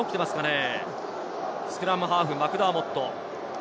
スクラムハーフ、マクダーモット。